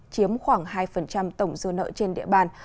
chiếm khoảng hai tổng dư nợ trên địa bàn